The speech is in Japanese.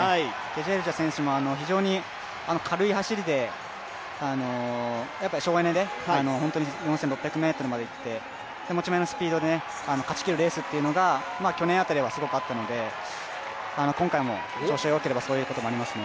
ケジェルチャ選手も軽い走りで省エネで４６００ｍまでいって、持ち前のスピードで勝ち切るレースがありましたので、去年あたりはすごくあったので、今回も調子がよければそういうことがありますね。